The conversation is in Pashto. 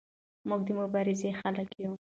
موږ د مبارزې خلک یو.